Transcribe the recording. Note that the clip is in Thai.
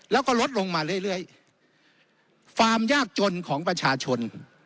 แล้วก็ลดลงมาเรื่อยเรื่อยความยากจนของประชาชน